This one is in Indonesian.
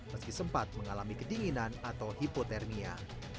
meski sempat mengalami kedinginan atau hipotermia